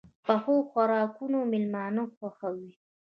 پخو خوراکونو مېلمانه خوښوي